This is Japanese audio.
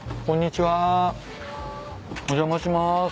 お邪魔します。